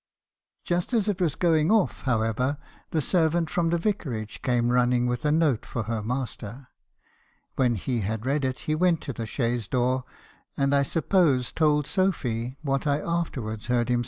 Just as it was going off, how ever, the servant from the vicarage came running with a note for her master. When he had read it, he went to the chaise door, and I suppose told Sophy, what I afterwards heard him MR.